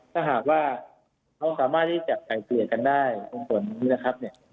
ถ้าหากว่าเขาสามารถที่จะจับใครเปลี่ยนกันได้วงพลมนนี้นะครับเนี่ย